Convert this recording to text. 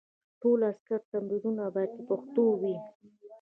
ټول عسکري تمرینونه باید په پښتو وي.